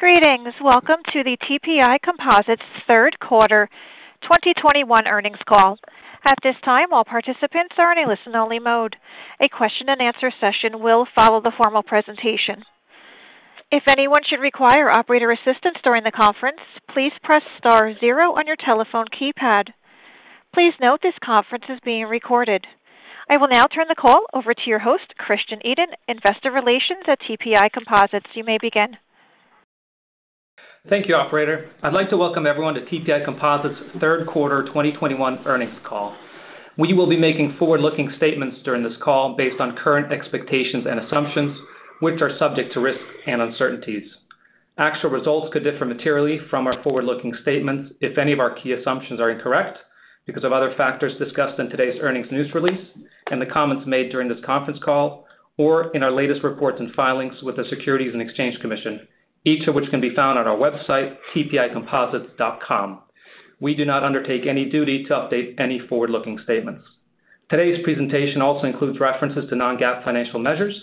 Greetings. Welcome to the TPI Composites third quarter 2021 earnings call. At this time, all participants are in a listen-only mode. A question and answer session will follow the formal presentation. If anyone should require operator assistance during the conference, please press star zero on your telephone keypad. Please note this conference is being recorded. I will now turn the call over to your host, Christian Edin, Investor Relations at TPI Composites. You may begin. Thank you, operator. I'd like to welcome everyone to TPI Composites third quarter 2021 earnings call. We will be making forward-looking statements during this call based on current expectations and assumptions, which are subject to risks and uncertainties. Actual results could differ materially from our forward-looking statements if any of our key assumptions are incorrect because of other factors discussed in today's earnings news release and the comments made during this conference call or in our latest reports and filings with the Securities and Exchange Commission, each of which can be found on our website, tpicomposites.com. We do not undertake any duty to update any forward-looking statements. Today's presentation also includes references to non-GAAP financial measures.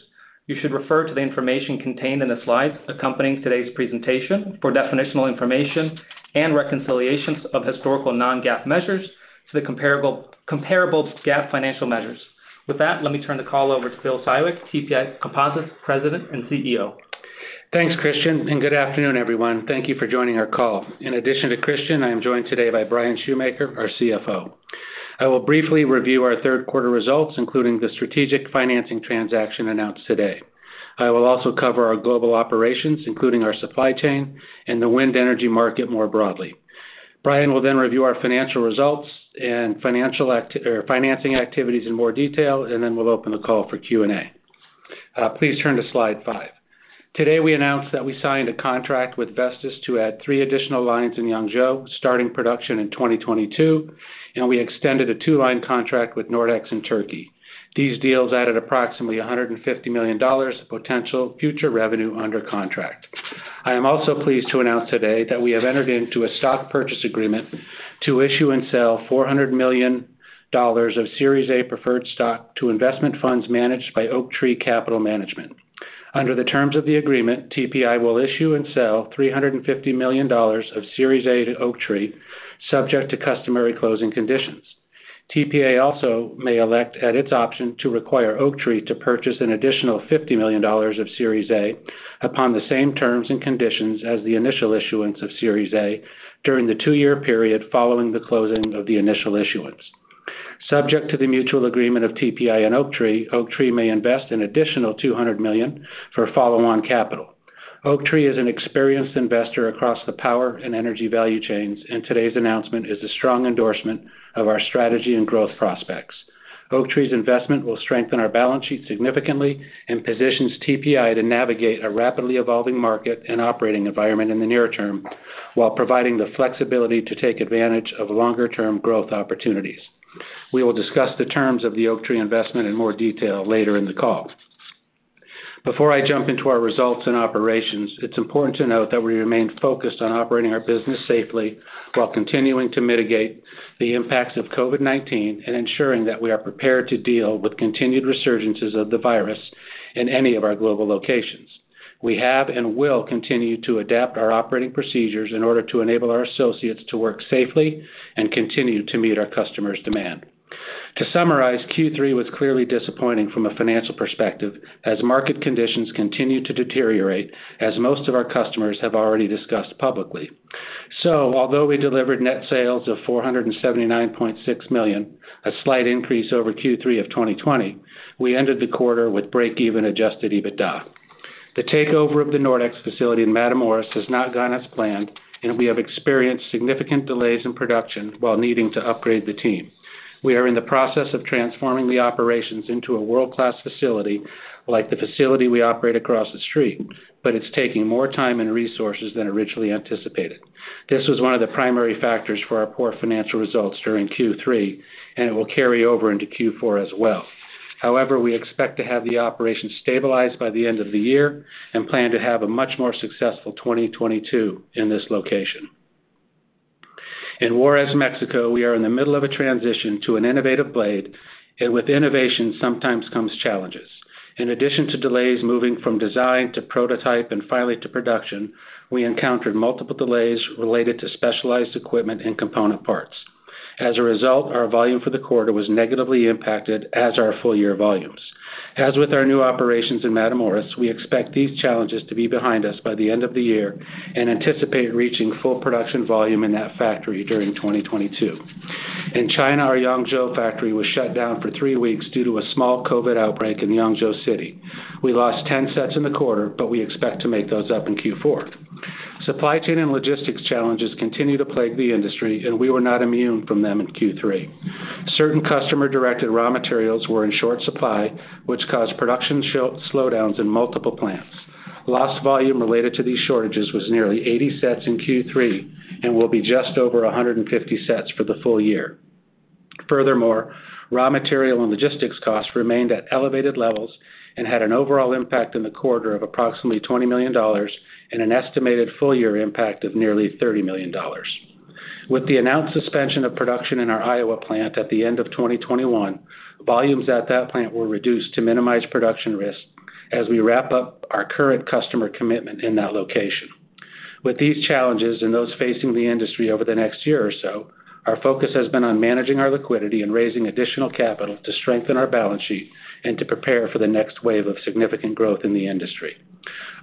You should refer to the information contained in the slides accompanying today's presentation for definitional information and reconciliations of historical non-GAAP measures to the comparable GAAP financial measures. With that, let me turn the call over to Bill Siwek, TPI Composites President and CEO. Thanks, Christian. Good afternoon, everyone. Thank you for joining our call. In addition to Christian, I am joined today by Bryan Schumaker, our CFO. I will briefly review our third quarter results, including the strategic financing transaction announced today. I will also cover our global operations, including our supply chain and the wind energy market more broadly. Bryan will then review our financial results or financing activities in more detail, and then we'll open the call for Q&A. Please turn to slide five. Today, we announced that we signed a contract with Vestas to add three additional lines in Yangzhou, starting production in 2022, and we extended a two-line contract with Nordex in Turkey. These deals added approximately $150 million potential future revenue under contract. I am also pleased to announce today that we have entered into a stock purchase agreement to issue and sell $400 million of Series A preferred stock to investment funds managed by Oaktree Capital Management. Under the terms of the agreement, TPI will issue and sell $350 million of Series A to Oaktree, subject to customary closing conditions. TPI also may elect, at its option, to require Oaktree to purchase an additional $50 million of Series A upon the same terms and conditions as the initial issuance of Series A during the two-year period following the closing of the initial issuance. Subject to the mutual agreement of TPI and Oaktree may invest an additional $200 million for follow-on capital. Oaktree is an experienced investor across the power and energy value chains, and today's announcement is a strong endorsement of our strategy and growth prospects. Oaktree's investment will strengthen our balance sheet significantly and positions TPI to navigate a rapidly evolving market and operating environment in the near term while providing the flexibility to take advantage of longer-term growth opportunities. We will discuss the terms of the Oaktree investment in more detail later in the call. Before I jump into our results and operations, it's important to note that we remain focused on operating our business safely while continuing to mitigate the impacts of COVID-19 and ensuring that we are prepared to deal with continued resurgences of the virus in any of our global locations. We have and will continue to adapt our operating procedures in order to enable our associates to work safely and continue to meet our customers' demand. To summarize, Q3 was clearly disappointing from a financial perspective as market conditions continued to deteriorate as most of our customers have already discussed publicly. Although we delivered net sales of $479.6 million, a slight increase over Q3 of 2020, we ended the quarter with break-even adjusted EBITDA. The takeover of the Nordex facility in Matamoros has not gone as planned, and we have experienced significant delays in production while needing to upgrade the team. We are in the process of transforming the operations into a world-class facility like the facility we operate across the street, but it's taking more time and resources than originally anticipated. This was one of the primary factors for our poor financial results during Q3, and it will carry over into Q4 as well. However, we expect to have the operation stabilized by the end of the year and plan to have a much more successful 2022 in this location. In Juarez, Mexico, we are in the middle of a transition to an innovative blade, and with innovation sometimes comes challenges. In addition to delays moving from design to prototype and finally to production, we encountered multiple delays related to specialized equipment and component parts. As a result, our volume for the quarter was negatively impacted as our full-year volumes. As with our new operations in Matamoros, we expect these challenges to be behind us by the end of the year and anticipate reaching full production volume in that factory during 2022. In China, our Yangzhou factory was shut down for three weeks due to a small COVID outbreak in Yangzhou City. We lost 10 sets in the quarter, but we expect to make those up in Q4. Supply chain and logistics challenges continue to plague the industry, and we were not immune from them in Q3. Certain customer-directed raw materials were in short supply, which caused production slowdowns in multiple plants. Lost volume related to these shortages was nearly 80 sets in Q3 and will be just over 150 sets for the full year. Furthermore, raw material and logistics costs remained at elevated levels and had an overall impact in the quarter of approximately $20 million and an estimated full-year impact of nearly $30 million. With the announced suspension of production in our Iowa plant at the end of 2021, volumes at that plant were reduced to minimize production risk as we wrap up our current customer commitment in that location. With these challenges and those facing the industry over the next year or so, our focus has been on managing our liquidity and raising additional capital to strengthen our balance sheet and to prepare for the next wave of significant growth in the industry.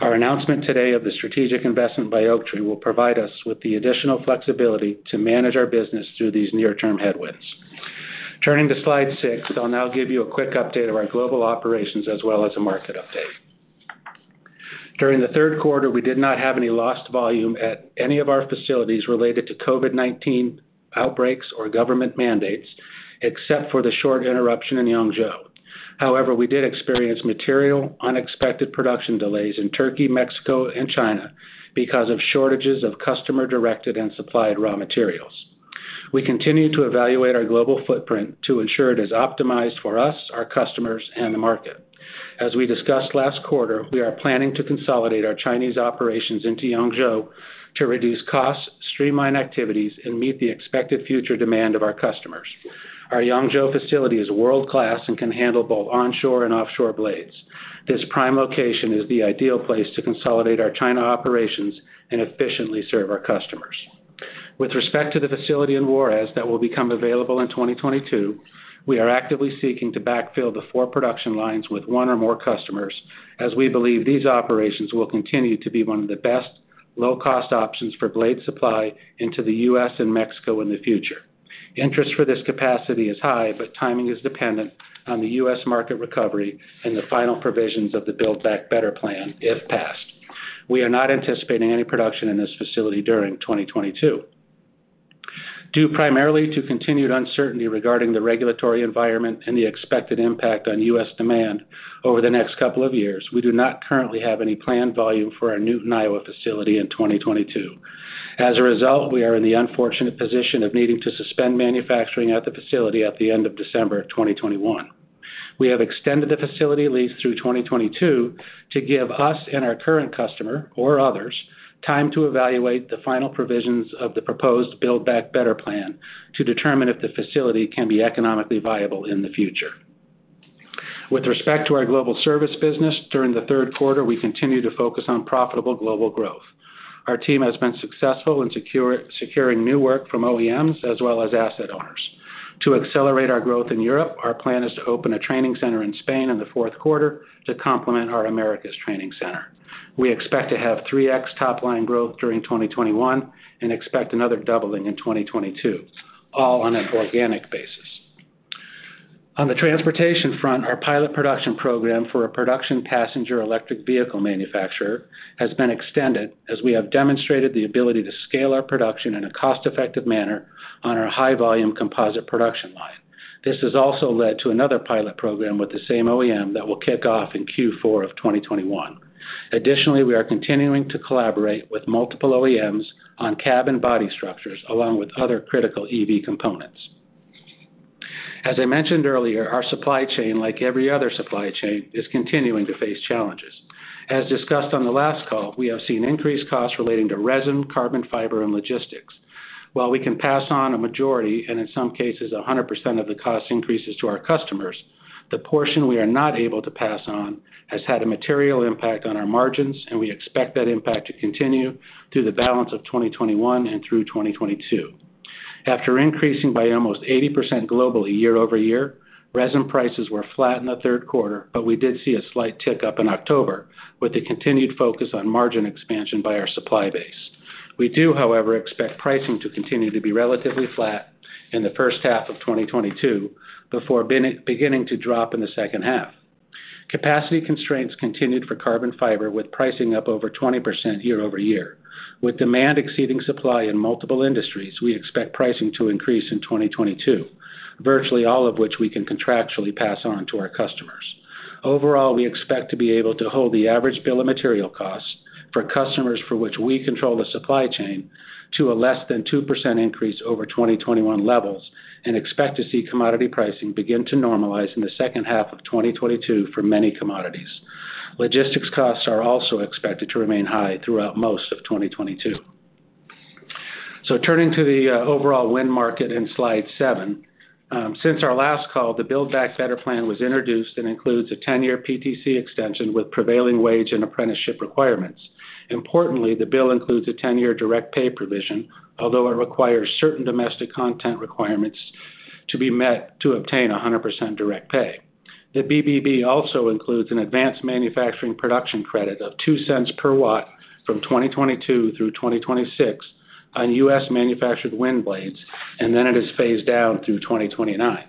Our announcement today of the strategic investment by Oaktree will provide us with the additional flexibility to manage our business through these near-term headwinds. Turning to slide six, I'll now give you a quick update of our global operations as well as a market update. During the third quarter, we did not have any lost volume at any of our facilities related to COVID-19 outbreaks or government mandates, except for the short interruption in Yangzhou. We did experience material unexpected production delays in Turkey, Mexico, and China because of shortages of customer-directed and supplied raw materials. We continue to evaluate our global footprint to ensure it is optimized for us, our customers, and the market. As we discussed last quarter, we are planning to consolidate our Chinese operations into Yangzhou to reduce costs, streamline activities, and meet the expected future demand of our customers. Our Yangzhou facility is world-class and can handle both onshore and offshore blades. This prime location is the ideal place to consolidate our China operations and efficiently serve our customers. With respect to the facility in Juárez that will become available in 2022, we are actively seeking to backfill the four production lines with one or more customers, as we believe these operations will continue to be one of the best low-cost options for blade supply into the U.S. and Mexico in the future. Interest for this capacity is high, but timing is dependent on the U.S. market recovery and the final provisions of the Build Back Better plan, if passed. We are not anticipating any production in this facility during 2022. Due primarily to continued uncertainty regarding the regulatory environment and the expected impact on U.S. demand over the next couple of years, we do not currently have any planned volume for our Newton, Iowa facility in 2022. As a result, we are in the unfortunate position of needing to suspend manufacturing at the facility at the end of December 2021. We have extended the facility lease through 2022 to give us and our current customer or others time to evaluate the final provisions of the proposed Build Back Better plan to determine if the facility can be economically viable in the future. With respect to our global service business, during the third quarter, we continued to focus on profitable global growth. Our team has been successful in securing new work from OEMs as well as asset owners. To accelerate our growth in Europe, our plan is to open a training center in Spain in the fourth quarter to complement our Americas training center. We expect to have 3x top line growth during 2021 and expect another doubling in 2022, all on an organic basis. On the transportation front, our pilot production program for a production passenger electric vehicle manufacturer has been extended as we have demonstrated the ability to scale our production in a cost-effective manner on our high volume composite production line. This has also led to another pilot program with the same OEM that will kick off in Q4 of 2021. Additionally, we are continuing to collaborate with multiple OEMs on cabin body structures along with other critical EV components. As I mentioned earlier, our supply chain, like every other supply chain, is continuing to face challenges. As discussed on the last call, we have seen increased costs relating to resin, carbon fiber, and logistics. While we can pass on a majority, and in some cases 100% of the cost increases to our customers, the portion we are not able to pass on has had a material impact on our margins, and we expect that impact to continue through the balance of 2021 and through 2022. After increasing by almost 80% globally year-over-year, resin prices were flat in the third quarter, but we did see a slight tick up in October with a continued focus on margin expansion by our supply base. We do, however, expect pricing to continue to be relatively flat in the first half of 2022 before beginning to drop in the second half. Capacity constraints continued for carbon fiber with pricing up over 20% year-over-year. With demand exceeding supply in multiple industries, we expect pricing to increase in 2022, virtually all of which we can contractually pass on to our customers. Overall, we expect to be able to hold the average bill of material costs for customers for which we control the supply chain to a less than 2% increase over 2021 levels and expect to see commodity pricing begin to normalize in the second half of 2022 for many commodities. Logistics costs are also expected to remain high throughout most of 2022. Turning to the overall wind market seven slide seven. Since our last call, the Build Back Better Act was introduced and includes a 10-year PTC extension with prevailing wage and apprenticeship requirements. Importantly, the bill includes a 10-year direct pay provision, although it requires certain domestic content requirements to be met to obtain a 100% direct pay. The BBB also includes an advanced manufacturing production credit of $0.02 per watt from 2022 through 2026 on U.S.-manufactured wind blades, and then it is phased out through 2029.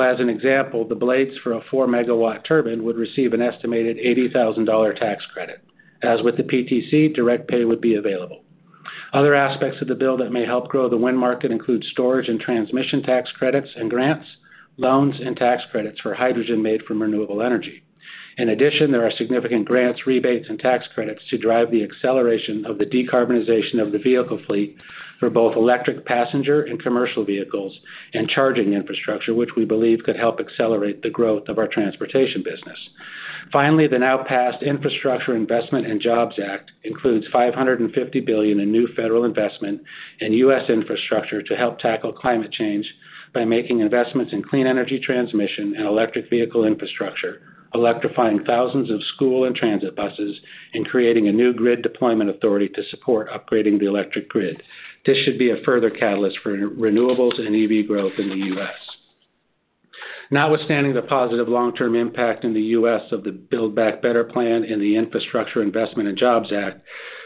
As an example, the blades for a 4 MW turbine would receive an estimated $80,000 tax credit. As with the PTC, direct pay would be available. Other aspects of the bill that may help grow the wind market include storage and transmission tax credits and grants, loans and tax credits for hydrogen made from renewable energy. In addition, there are significant grants, rebates, and tax credits to drive the acceleration of the decarbonization of the vehicle fleet for both electric passenger and commercial vehicles and charging infrastructure, which we believe could help accelerate the growth of our transportation business. The now passed Infrastructure Investment and Jobs Act includes $550 billion in new federal investment in U.S. infrastructure to help tackle climate change by making investments in clean energy transmission and electric vehicle infrastructure, electrifying thousands of school and transit buses, and creating a new grid deployment authority to support upgrading the electric grid. This should be a further catalyst for renewables and EV growth in the U.S. Notwithstanding the positive long-term impact in the U.S. of the Build Back Better Act and the Infrastructure Investment and Jobs Act,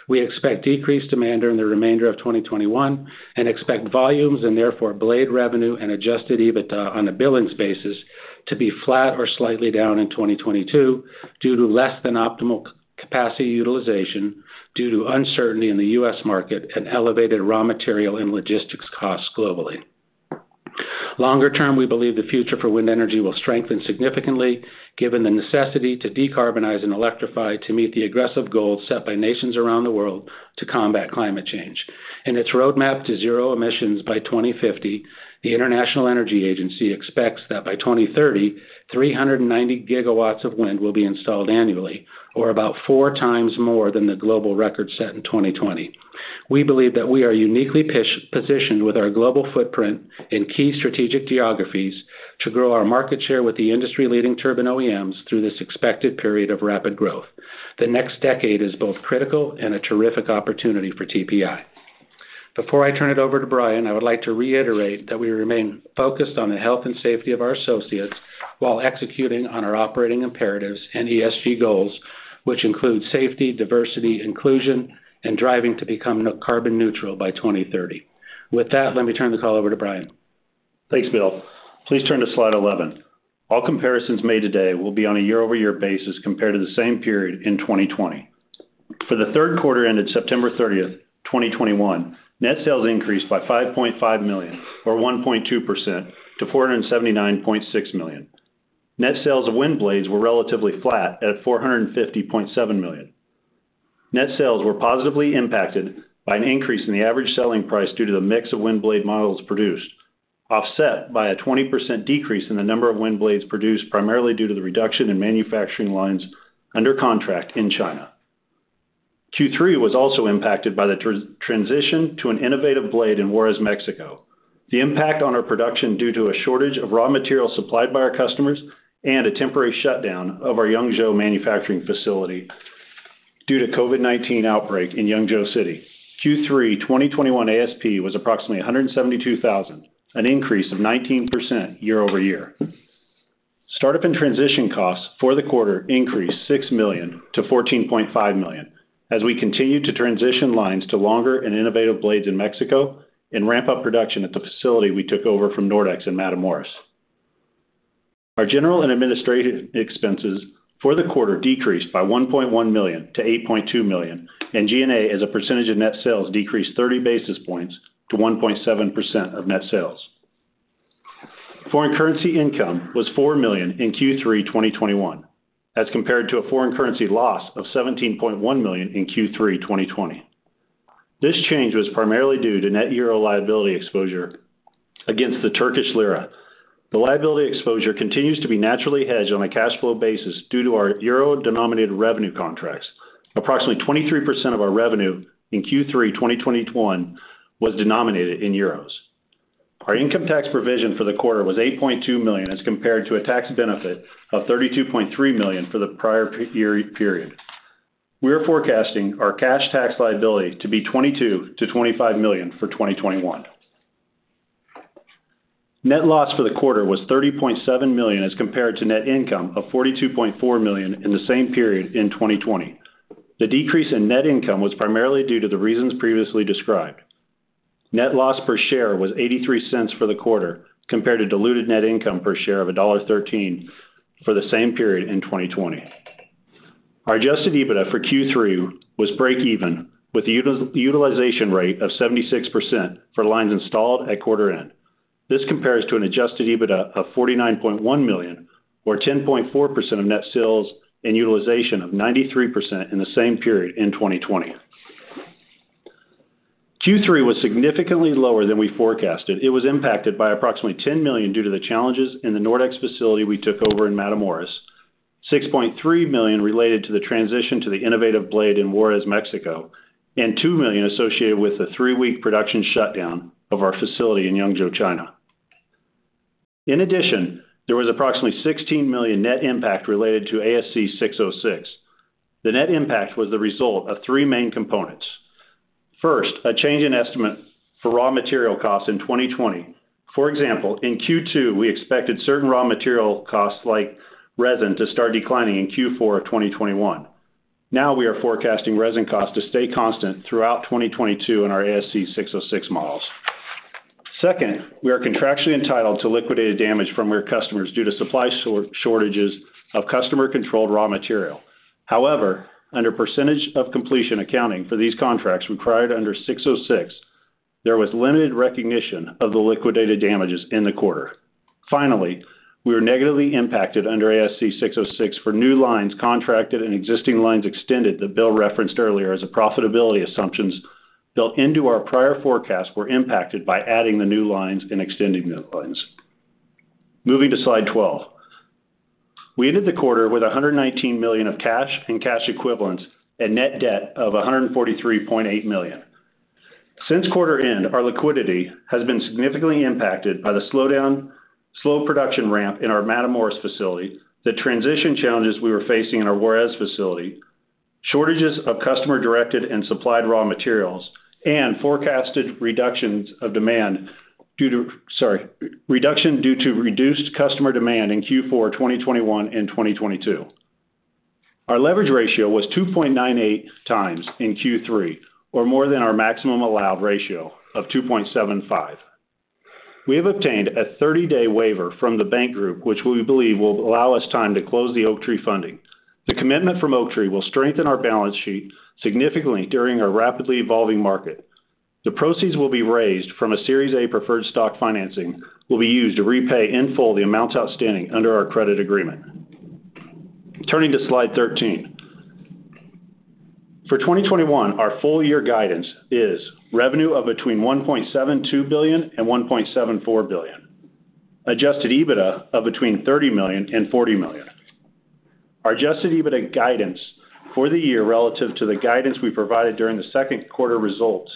we expect decreased demand during the remainder of 2021, and expect volumes, and therefore blade revenue and adjusted EBITDA on a billings basis, to be flat or slightly down in 2022 due to less than optimal capacity utilization due to uncertainty in the U.S. market and elevated raw material and logistics costs globally. Longer term, we believe the future for wind energy will strengthen significantly given the necessity to decarbonize and electrify to meet the aggressive goals set by nations around the world to combat climate change. In its roadmap to zero emissions by 2050, the International Energy Agency expects that by 2030, 390 gigawatts of wind will be installed annually, or about 4x more than the global record set in 2020. We believe that we are uniquely positioned with our global footprint in key strategic geographies to grow our market share with the industry-leading turbine OEMs through this expected period of rapid growth. The next decade is both critical and a terrific opportunity for TPI. Before I turn it over to Bryan, I would like to reiterate that we remain focused on the health and safety of our associates while executing on our operating imperatives and ESG goals, which include safety, diversity, inclusion, and driving to become carbon neutral by 2030. With that, let me turn the call over to Bryan. Thanks, Bill. Please turn to slide 11. All comparisons made today will be on a year-over-year basis compared to the same period in 2020. For the third quarter ended September 30, 2021, net sales increased by $5.5 million, or 1.2%, to $479.6 million. Net sales of wind blades were relatively flat at $450.7 million. Net sales were positively impacted by an increase in the average selling price due to the mix of wind blade models produced, offset by a 20% decrease in the number of wind blades produced, primarily due to the reduction in manufacturing lines under contract in China. Q3 was also impacted by the transition to an innovative blade in Juarez, Mexico, the impact on our production due to a shortage of raw materials supplied by our customers, and a temporary shutdown of our Yangzhou manufacturing facility due to COVID-19 outbreak in Yangzhou City. Q3 2021 ASP was approximately $172,000, an increase of 19% year-over-year. Startup and transition costs for the quarter increased $6 million-$14.5 million as we continue to transition lines to longer and innovative blades in Mexico and ramp up production at the facility we took over from Nordex in Matamoros. Our general and administrative expenses for the quarter decreased by $1.1 million-$8.2 million, and G&A, as a percentage of net sales, decreased 30 basis points to 1.7% of net sales. Foreign currency income was $4 million in Q3 2021, as compared to a foreign currency loss of $17.1 million in Q3 2020. This change was primarily due to net euro liability exposure against the Turkish lira. The liability exposure continues to be naturally hedged on a cash flow basis due to our euro-denominated revenue contracts. Approximately 23% of our revenue in Q3 2021 was denominated in euros. Our income tax provision for the quarter was $8.2 million as compared to a tax benefit of $32.3 million for the prior-year period. We are forecasting our cash tax liability to be $22 million-$25 million for 2021. Net loss for the quarter was $30.7 million as compared to net income of $42.4 million in the same period in 2020. The decrease in net income was primarily due to the reasons previously described. Net loss per share was $0.83 for the quarter, compared to diluted net income per share of $1.13 for the same period in 2020. Our adjusted EBITDA for Q3 was break even with a utilization rate of 76% for lines installed at quarter end. This compares to an adjusted EBITDA of $49.1 million or 10.4% of net sales and utilization of 93% in the same period in 2020. Q3 was significantly lower than we forecasted. It was impacted by approximately $10 million due to the challenges in the Nordex facility we took over in Matamoros, $6.3 million related to the transition to the innovative blade in Juarez, Mexico, and $2 million associated with the three-week production shutdown of our facility in Yangzhou, China. There was approximately $16 million net impact related to ASC 606. The net impact was the result of three main components. First, a change in estimate for raw material costs in 2020. For example, in Q2, we expected certain raw material costs, like resin, to start declining in Q4 of 2021. We are forecasting resin costs to stay constant throughout 2022 in our ASC 606 models. Second, we are contractually entitled to liquidated damage from our customers due to supply shortages of customer-controlled raw material. Under percentage-of-completion accounting for these contracts required under 606, there was limited recognition of the liquidated damages in the quarter. We were negatively impacted under ASC 606 for new lines contracted and existing lines extended that Bill referenced earlier as the profitability assumptions built into our prior forecast were impacted by adding the new lines and extending new lines. Moving to slide 12. We ended the quarter with $119 million of cash and cash equivalents and net debt of $143.8 million. Since quarter end, our liquidity has been significantly impacted by the slow production ramp in our Matamoros facility, the transition challenges we were facing in our Juarez facility, shortages of customer-directed and supplied raw materials, and forecasted reductions of demand due to reduced customer demand in Q4 2021 and 2022. Our leverage ratio was 2.98x in Q3, or more than our maximum allowed ratio of 2.75x. We have obtained a 30-day waiver from the bank group, which we believe will allow us time to close the Oaktree funding. The commitment from Oaktree will strengthen our balance sheet significantly during a rapidly evolving market. The proceeds will be raised from a Series A preferred stock financing will be used to repay in full the amounts outstanding under our credit agreement. Turning to slide 13. For 2021, our full year guidance is revenue of between $1.72 billion-$1.74 billion. Adjusted EBITDA of between $30 million-$40 million. Our adjusted EBITDA guidance for the year relative to the guidance we provided during the second quarter results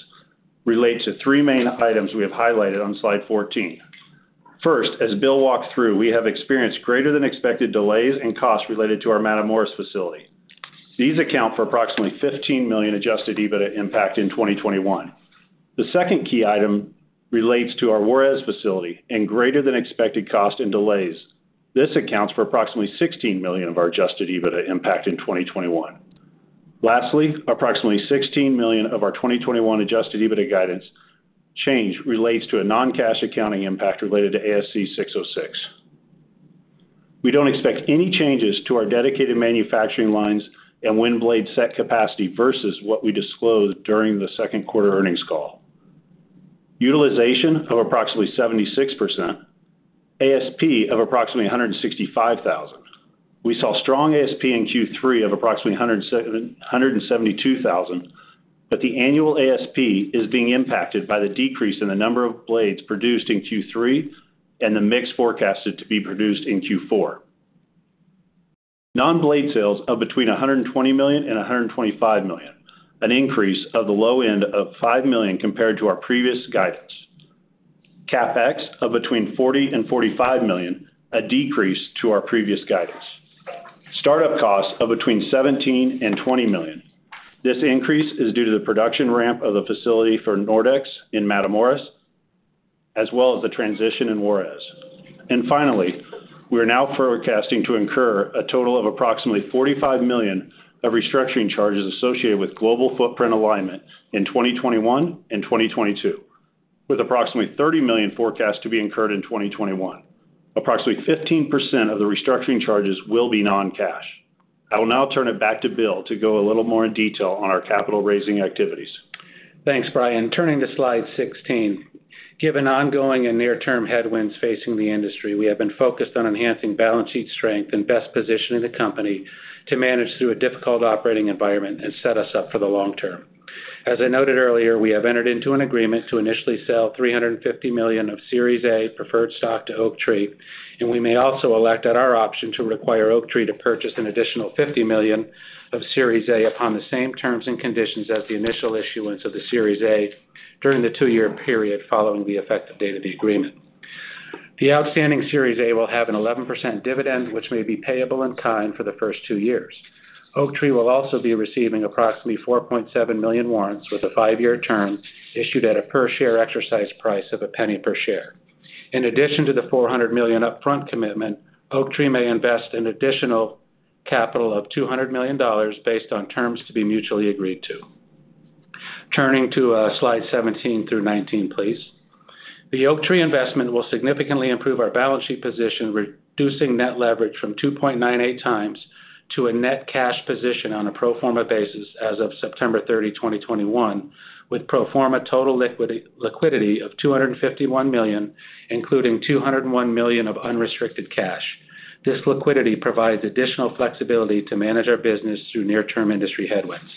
relates to three main items we have highlighted on slide 14. First, as Bill Siwek walked through, we have experienced greater than expected delays and costs related to our Matamoros facility. These account for approximately $15 million adjusted EBITDA impact in 2021. The second key item relates to our Juarez facility and greater than expected cost and delays. This accounts for approximately $16 million of our adjusted EBITDA impact in 2021. Lastly, approximately $16 million of our 2021 adjusted EBITDA guidance change relates to a non-cash accounting impact related to ASC 606. We don't expect any changes to our dedicated manufacturing lines and wind blade set capacity versus what we disclosed during the second quarter earnings call. Utilization of approximately 76%. ASP of approximately $165,000. We saw strong ASP in Q3 of approximately $172,000, but the annual ASP is being impacted by the decrease in the number of blades produced in Q3 and the mix forecasted to be produced in Q4. Non-blade sales of between $120 million-$125 million, an increase of the low end of $5 million compared to our previous guidance. CapEx of between $40 million-$45 million, a decrease to our previous guidance. Start-up costs of between $17 million-$20 million. This increase is due to the production ramp of the facility for Nordex in Matamoros, as well as the transition in Juarez. Finally, we are now forecasting to incur a total of approximately $45 million of restructuring charges associated with global footprint alignment in 2021 and 2022, with approximately $30 million forecast to be incurred in 2021. Approximately 15% of the restructuring charges will be non-cash. I will now turn it back to Bill to go a little more in detail on our capital raising activities. Thanks, Bryan. Turning to slide 16. Given ongoing and near-term headwinds facing the industry, we have been focused on enhancing balance sheet strength and best positioning the company to manage through a difficult operating environment and set us up for the long term. As I noted earlier, we have entered into an agreement to initially sell $350 million of Series A preferred stock to Oaktree, and we may also elect at our option to require Oaktree to purchase an additional $50 million of Series A upon the same terms and conditions as the initial issuance of the Series A during the two-year period following the effective date of the agreement. The outstanding Series A will have an 11% dividend, which may be payable in kind for the first two years. Oaktree will also be receiving approximately 4.7 million warrants with a five-year term issued at a per share exercise price of $0.01 per share. In addition to the $400 million upfront commitment, Oaktree may invest an additional capital of $200 million based on terms to be mutually agreed to. Turning to slide 17 through 19, please. The Oaktree investment will significantly improve our balance sheet position, reducing net leverage from 2.98x to a net cash position on a pro forma basis as of September 30, 2021, with pro forma total liquidity of $251 million, including $201 million of unrestricted cash. This liquidity provides additional flexibility to manage our business through near-term industry headwinds.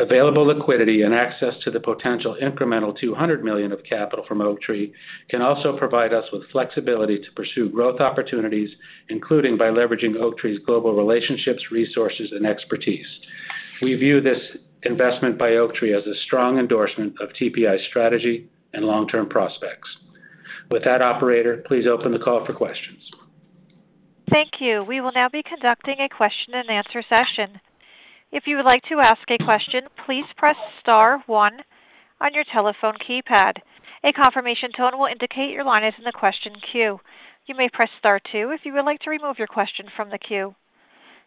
Available liquidity and access to the potential incremental $200 million of capital from Oaktree can also provide us with flexibility to pursue growth opportunities, including by leveraging Oaktree's global relationships, resources, and expertise. We view this investment by Oaktree as a strong endorsement of TPI's strategy and long-term prospects. With that, operator, please open the call for questions. Thank you. We will now be conducting a question and answer session. If you would like to ask a question, please press star one on your telephone keypad. A confirmation tone will indicate your line is in the question queue. You may press star two if you would like to remove your question from the queue.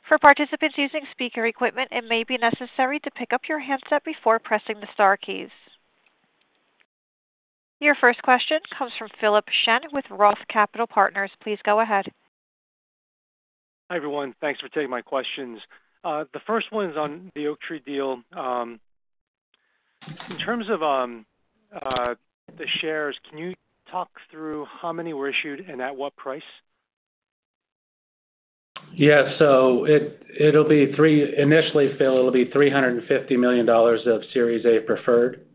For participants using speaker equipment, it may be necessary to pick up your handset before pressing the star keys. Your first question comes from Philip Shen with Roth Capital Partners. Please go ahead. Hi, everyone. Thanks for taking my questions. The first one is on the Oaktree deal. In terms of the shares, can you talk through how many were issued and at what price? It'll be initially, Philip, it'll be $350 million of Series A preferred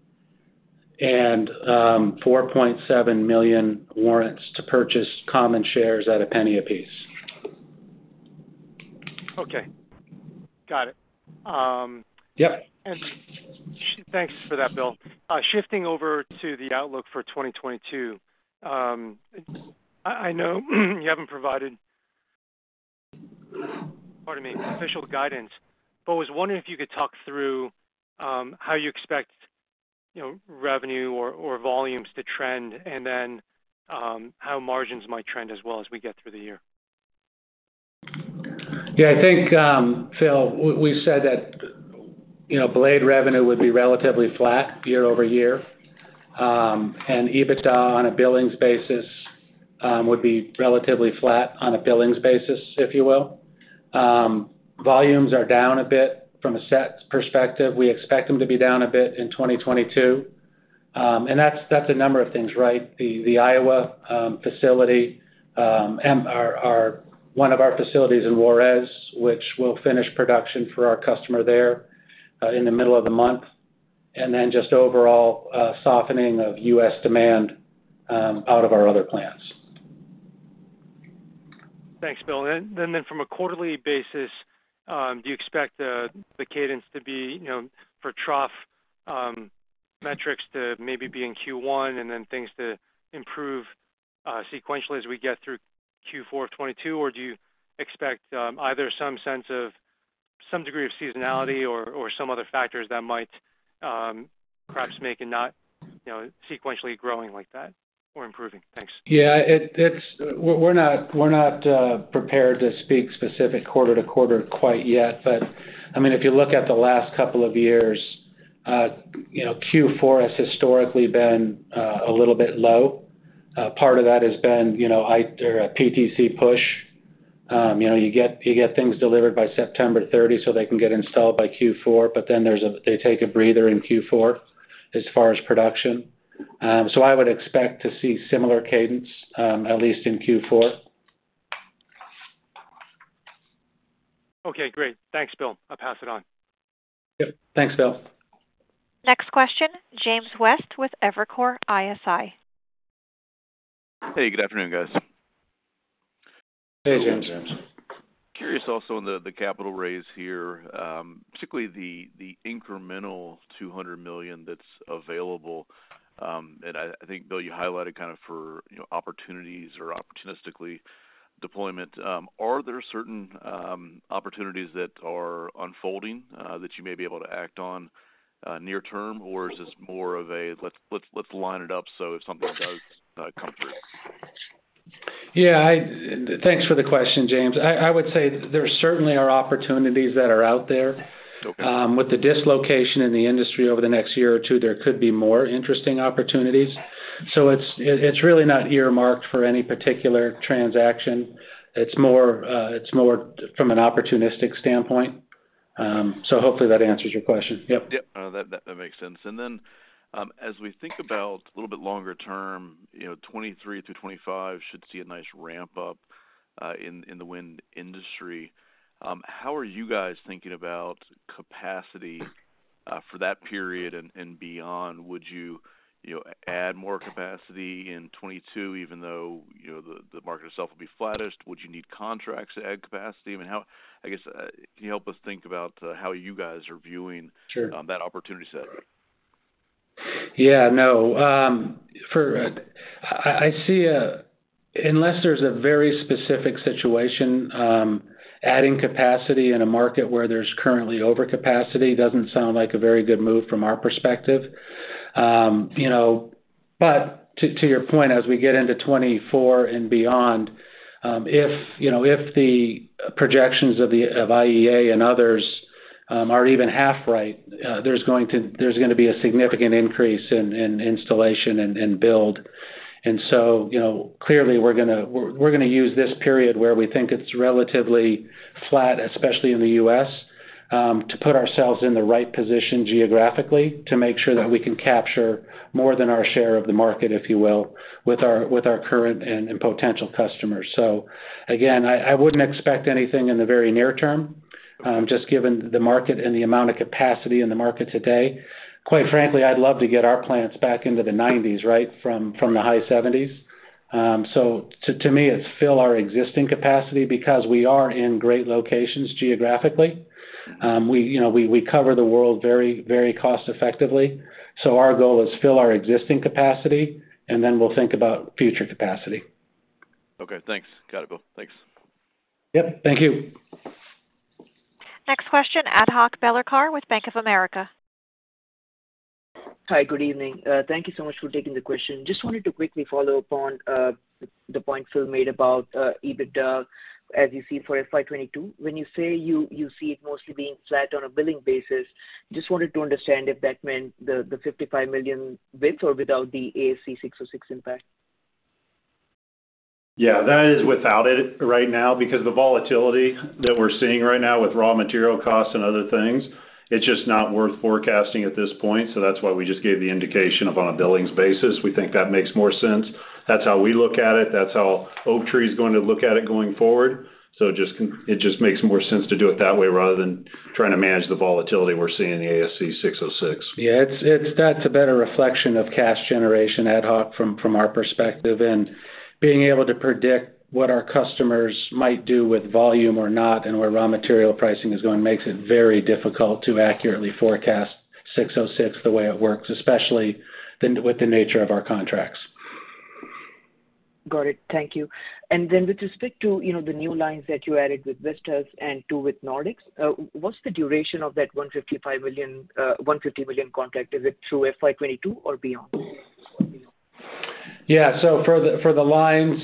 and 4.7 million warrants to purchase common shares at $0.01 a piece. Okay. Got it. Yeah. Thanks for that, Bill. Shifting over to the outlook for 2022. I know you haven't provided, pardon me, official guidance, but I was wondering if you could talk through how you expect, you know, revenue or volumes to trend and then how margins might trend as well as we get through the year. Yeah, I think Philip, we said that, you know, blade revenue would be relatively flat year-over-year. EBITDA on a billings basis would be relatively flat on a billings basis, if you will. Volumes are down a bit from a set perspective. We expect them to be down a bit in 2022. That's a number of things, right? The Iowa facility or one of our facilities in Juarez, which we'll finish production for our customer there in the middle of the month. Just overall softening of U.S. demand out of our other plants. Thanks, Bill. Then from a quarterly basis, do you expect the cadence to be, you know, for trough metrics to maybe be in Q1 and then things to improve sequentially as we get through Q4 of 2022? Do you expect either some sense of some degree of seasonality or some other factors that might perhaps make it not, you know, sequentially growing like that or improving? Thanks. Yeah, We're not prepared to speak specific quarter-to-quarter quite yet. I mean, if you look at the last couple of years, you know, Q4 has historically been a little bit low. Part of that has been, you know, a PTC push. You know, you get things delivered by September 30 so they can get installed by Q4, they take a breather in Q4 as far as production. I would expect to see similar cadence at least in Q4. Okay, great. Thanks, Bill. I'll pass it on. Yep. Thanks, Philip. Next question, James West with Evercore ISI. Hey, good afternoon, guys. Hey, James. James. Curious also on the capital raise here, particularly the incremental $200 million that's available. I think, Bill, you highlighted kind of for, you know, opportunities or opportunistically deployment. Are there certain opportunities that are unfolding that you may be able to act on near term? Or is this more of a let's line it up so if something does come through? Yeah. Thanks for the question, James. I would say there certainly are opportunities that are out there. Okay. With the dislocation in the industry over the next year or two, there could be more interesting opportunities. It's really not earmarked for any particular transaction. It's more, it's more from an opportunistic standpoint. Hopefully that answers your question. Yep. Yep. That makes sense. As we think about a little bit longer term, you know, 2023 through 2025 should see a nice ramp up, in the wind industry. How are you guys thinking about capacity, for that period and beyond? Would you know, add more capacity in 2022 even though, you know, the market itself will be flattest? Would you need contracts to add capacity? I mean, I guess, can you help us think about, how you guys are viewing? Sure. That opportunity set? Yeah, no. I see a Unless there's a very specific situation, adding capacity in a market where there's currently overcapacity doesn't sound like a very good move from our perspective. You know, but to your point, as we get into 2024 and beyond, if, you know, if the projections of IEA and others are even half right, there's gonna be a significant increase in installation and build. You know, clearly we're gonna use this period where we think it's relatively flat, especially in the U.S., to put ourselves in the right position geographically to make sure that we can capture more than our share of the market, if you will, with our current and potential customers. Again, I wouldn't expect anything in the very near term, just given the market and the amount of capacity in the market today. Quite frankly, I'd love to get our plants back into the nineties, right, from the high seventies. To me, it's fill our existing capacity because we are in great locations geographically. We, you know, we cover the world very, very cost effectively. Our goal is fill our existing capacity, and then we'll think about future capacity. Okay, thanks. Got it, Bill. Thanks. Yep. Thank you. Next question, Adhok Bellurkar with Bank of America. Hi, good evening. Thank you so much for taking the question. Just wanted to quickly follow up on the point Bill made about EBITDA, as you see it for FY 2022. When you say you see it mostly being flat on a billing basis, just wanted to understand if that meant the $55 million with or without the ASC 606 impact? Yeah, that is without it right now because the volatility that we're seeing right now with raw material costs and other things, it's just not worth forecasting at this point. That's why we just gave the indication of on a billings basis. We think that makes more sense. That's how we look at it. That's how Oaktree is going to look at it going forward. It just makes more sense to do it that way rather than trying to manage the volatility we're seeing in the ASC 606. Yeah, it's that's a better reflection of cash generation, Ad Hoc, from our perspective. Being able to predict what our customers might do with volume or not and where raw material pricing is going makes it very difficult to accurately forecast ASC 606 the way it works, especially with the nature of our contracts. Got it. Thank you. With respect to, you know, the new lines that you added with Vestas and two with Nordex, what's the duration of that $150 million contract? Is it through FY 2022 or beyond? For the lines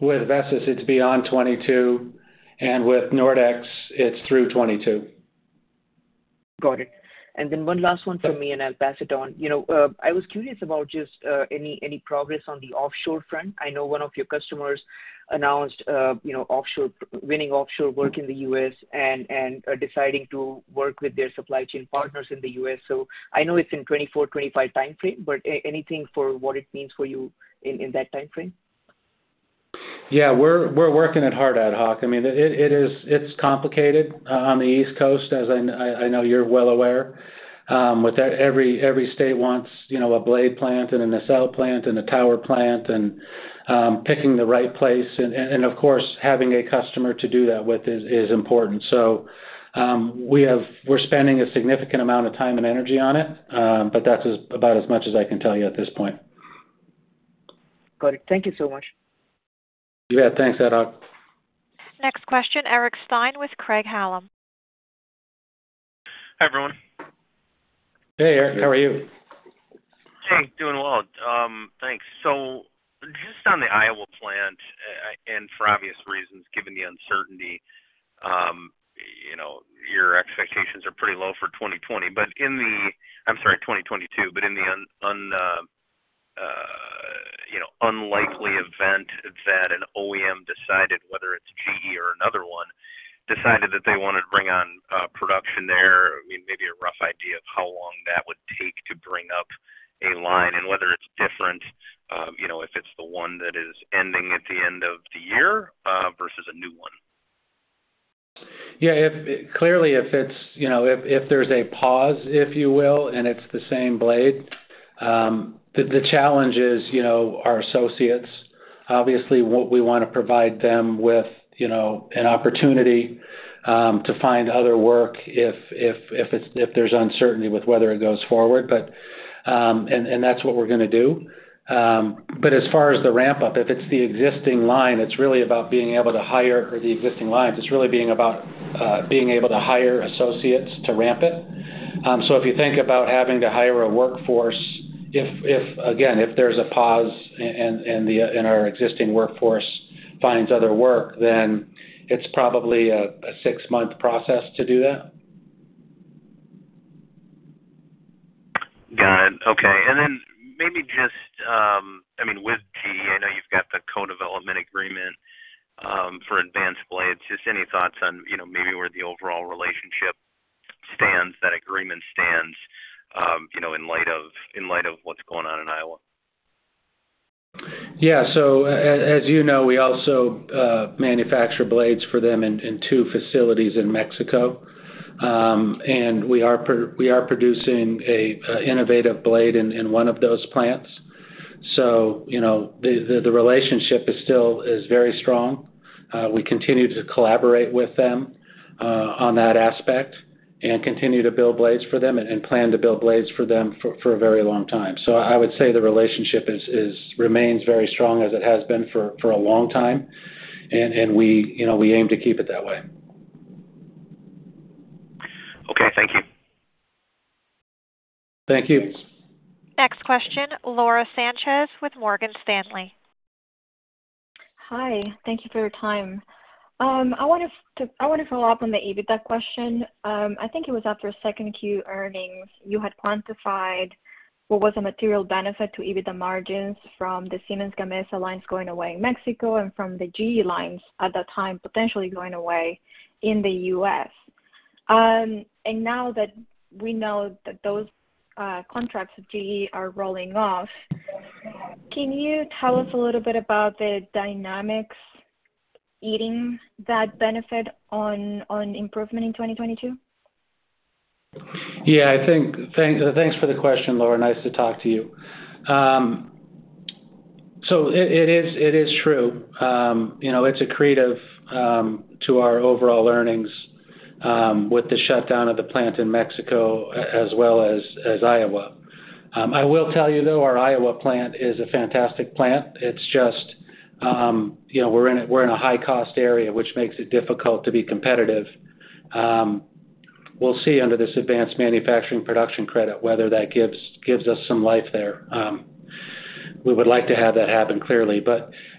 with Vestas, it's beyond 2022, and with Nordex, it's through 2022. Got it. One last one from me, and I'll pass it on. You know, I was curious about just any progress on the offshore front. I know one of your customers announced, you know, winning offshore work in the U.S. and deciding to work with their supply chain partners in the U.S. I know it's in 2024, 2025 timeframe, but anything for what it means for you in that timeframe? Yeah. We're working it hard, Adhok. I mean, it is, it's complicated on the East Coast, as I know you're well aware, with that every state wants, you know, a blade plant and a nacelle plant and a tower plant, and picking the right place and, of course, having a customer to do that with is important. We're spending a significant amount of time and energy on it, but that's about as much as I can tell you at this point. Got it. Thank you so much. Yeah. Thanks, Adhok. Next question, Eric Stine with Craig-Hallum. Hi, everyone. Hey, Eric. How are you? Hey. Doing well. Thanks. Just on the Iowa plant, and for obvious reasons, given the uncertainty, you know, your expectations are pretty low for 2020. I'm sorry, 2022. In the unlikely event that an OEM decided, whether it's GE or another one, decided that they wanted to bring on production there, I mean, maybe a rough idea of how long that would take to bring up a line and whether it's different, you know, if it's the one that is ending at the end of the year, versus a new one. Yeah. Clearly, if it's, you know, if there's a pause, if you will, and it's the same blade, the challenge is, you know, our associates. Obviously, what we wanna provide them with, you know, an opportunity to find other work if there's uncertainty with whether it goes forward. That's what we're gonna do. As far as the ramp-up, if it's the existing line, it's really about being able to hire the existing lines. It's really being about being able to hire associates to ramp it. If you think about having to hire a workforce, again, if there's a pause and our existing workforce finds other work, then it's probably a six-month process to do that. Got it. Okay. Maybe just, I mean, with GE, I know you've got the co-development agreement, for advanced blades. Just any thoughts on, you know, maybe where the overall relationship stands, that agreement stands, you know, in light of what's going on in Iowa? Yeah. As you know, we also manufacture blades for them in two facilities in Mexico. And we are producing an innovative blade in one of those plants. You know, the relationship is still very strong. We continue to collaborate with them on that aspect and continue to build blades for them and plan to build blades for them for a very long time. I would say the relationship remains very strong as it has been for a long time, and we, you know, we aim to keep it that way. Okay. Thank you. Thank you. Next question, Laura Sanchez with Morgan Stanley. Hi. Thank you for your time. I wanna follow up on the EBITDA question. I think it was after 2Q earnings, you had quantified what was a material benefit to EBITDA margins from the Siemens Gamesa lines going away in Mexico and from the GE lines at that time potentially going away in the U.S. Now that we know that those contracts with GE are rolling off, can you tell us a little bit about the dynamics eating that benefit on improvement in 2022? Thanks for the question, Laura. Nice to talk to you. It is true. You know, it's accretive to our overall earnings with the shutdown of the plant in Mexico as well as Iowa. I will tell you, though, our Iowa plant is a fantastic plant. It's just, you know, we're in a high-cost area, which makes it difficult to be competitive. We'll see under this advanced manufacturing production credit whether that gives us some life there. We would like to have that happen, clearly.